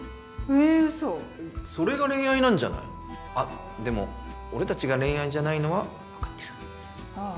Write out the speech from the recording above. えウソそれが恋愛なんじゃないあっでも俺達が恋愛じゃないのは分かってるああ